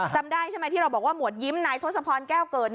จำได้ใช่ไหมที่เราบอกว่าหมวดยิ้มนายทศพรแก้วเกิด